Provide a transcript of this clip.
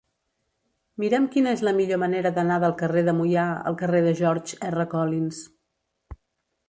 Mira'm quina és la millor manera d'anar del carrer de Moià al carrer de George R. Collins.